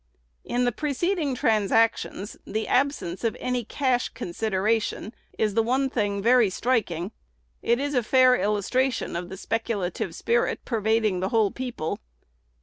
In all the preceding transactions, the absence of any cash consideration is the one thing very striking. It is a fair illustration of the speculative spirit pervading the whole people.